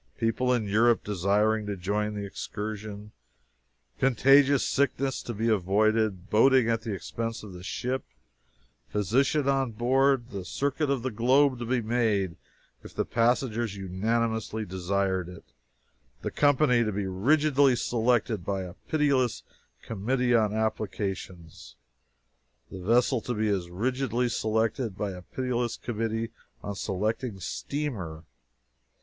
People in Europe desiring to join the excursion contagious sickness to be avoided boating at the expense of the ship physician on board the circuit of the globe to be made if the passengers unanimously desired it the company to be rigidly selected by a pitiless "Committee on Applications" the vessel to be as rigidly selected by as pitiless a "Committee on Selecting Steamer."